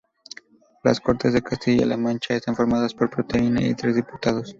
Las Cortes de Castilla-La Mancha están formadas por treinta y tres diputados.